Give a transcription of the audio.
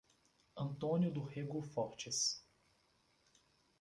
Antônio do Rego Fortes